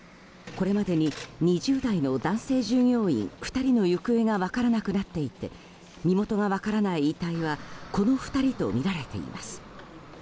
これまでに２０代の男性従業員２人の行方が分からなくなっていて身元が分からない遺体はこの２人とみられています。